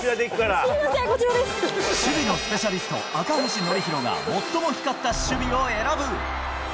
すみません、守備のスペシャリスト、赤星憲広が最も光った守備を選ぶ。